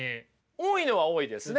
多いのは多いですね。